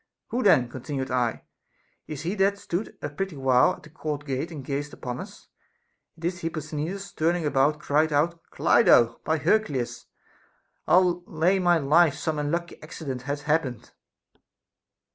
Who then, continued I, is he that hath stood a pretty while at the court gate and gazed upon us? At this Hipposthenides turning about cried out : Clido, by Hercules ! Ill lay my life some unlucky accident hath happened.